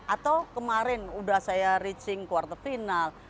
atau kemarin udah saya reaching kuartal final